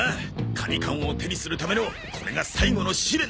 カニ缶を手にするためのこれが最後の試練なのだ。